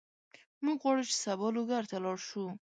موږ غواړو چې سبا لوګر ته لاړ شو.